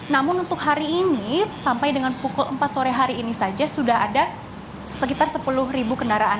namun untuk hari ini sampai dengan pukul empat sore hari ini saja sudah ada sekitar sepuluh ribu kendaraan